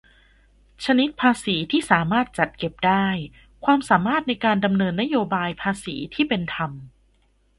ชนิดภาษีที่สามารถจัดเก็บได้-ความสามารถในการดำเนินนโยบายภาษีที่เป็นธรรม